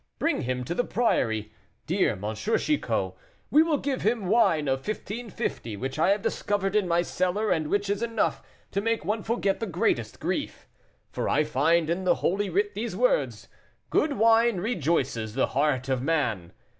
Bring him to the priory, dear M. Chicot; we will give him wine of 1550, which I have discovered in my cellar, and which is enough to make one forget the greatest grief; for I find in the Holy Writ these words, 'Good wine rejoices the heart of man.